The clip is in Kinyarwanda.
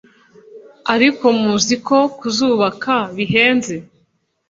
ariko muzi ko kuzubaka bihenze